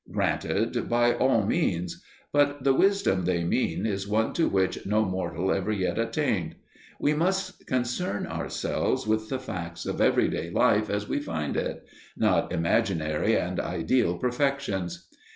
Granted, by all means. But the "wisdom" they mean is one to which no mortal ever yet attained. We must concern ourselves with the facts of everyday life as we find it not imaginary and ideal perfections.